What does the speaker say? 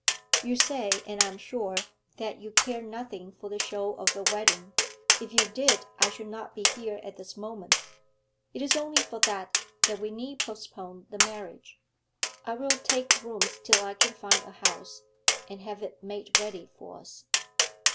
You say, and I am sure, that you care nothing for the show of a wedding; if you did, I should not be here at this moment. It is only for that that we need postpone the marriage. I will take rooms till I can find a house and have it made ready for us.'